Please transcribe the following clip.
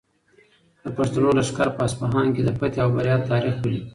د پښتنو لښکر په اصفهان کې د فتحې او بریا تاریخ ولیکه.